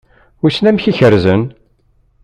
Wissen amek i kerrzen?